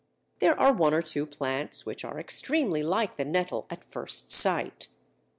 There are one or two plants which are extremely like the nettle at first sight.